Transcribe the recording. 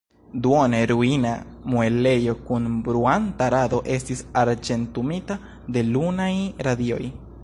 Duone ruina muelejo kun bruanta rado estis arĝentumita de lunaj radioj.